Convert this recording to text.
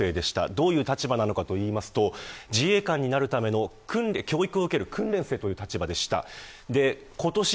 どういう立場なのかといいますと自衛官になるための教育を受ける訓練生という立場でした。